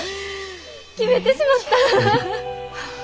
決めてしまった。